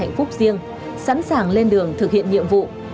hạnh phúc riêng sẵn sàng lên đường thực hiện nhiệm vụ